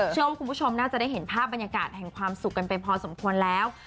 คุณผู้ชมน่าจะได้เห็นภาพบรรยากาศแห่งความสุขกันไปพอสมควรแล้ว